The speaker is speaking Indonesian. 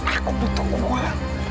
aku butuh uang